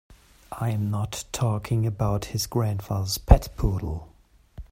I'm not talking about his grandfather's pet poodle.